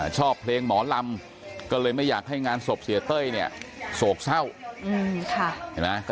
ชอบเพลงหมอลำก็เลยไม่อยากให้งานศพเสียเต้ยเนี่ยโศกเศร้า